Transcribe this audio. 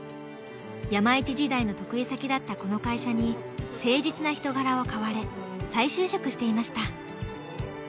山一時代の得意先だったこの会社に誠実な人柄を買われ再就職していました。